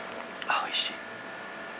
おいしい。